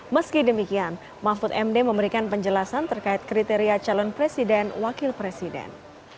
meski demikian mahfud md memberikan penjelasan terkait kriteria calon presiden wakil presiden